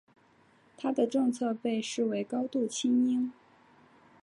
他的政策被视为高度亲英。